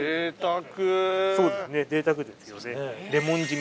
そうですねぜいたくですよねレモン締め。